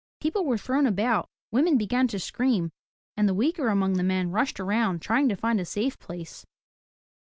People were thrown about, women began to scream, and the weaker among the men rushed around trying to find a safe place.